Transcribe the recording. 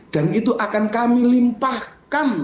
dan itu akan kami limpahkan